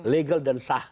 legal dan sah